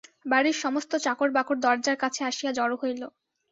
বাড়ির সমস্ত চাকরবাকর দরজার কাছে আসিয়া জড়ো হইল।